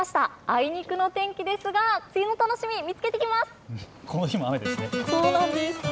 あいにくの天気ですが梅雨の楽しみ、見つけてきます。